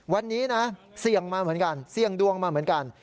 วันนี้นะเสี่ยงมาเหมือนกันเสี่ยงดวงมาเหมือนกัน